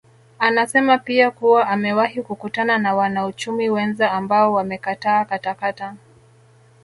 Anasema pia kuwa amewahi kukutana na wanauchumi wenza ambao wamekataa katakata